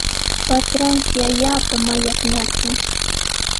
Patranshi allaapa mallaqnarqan.